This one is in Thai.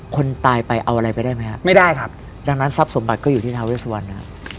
คนตายไปเอาอะไรไปได้ไหมครับดังนั้นทรัพย์สมบัติก็อยู่ที่ท้าเวสวัน